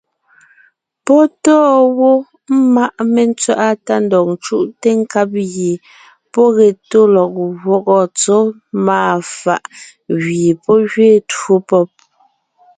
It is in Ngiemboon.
Pɔ́ tóo wó ḿmaʼ mentswaʼá tá ndɔg ńcúʼte nkab gie pɔ́ ge tó lɔg gwɔ́gɔ tsɔ́ máa fàʼ gẅie pɔ́ gẅiin twó pɔ́b.